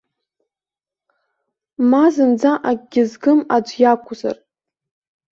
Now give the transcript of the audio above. Ма зынӡа акгьы згым аӡәы иакәзар.